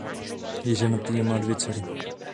Je ženatý a má dvě dcery.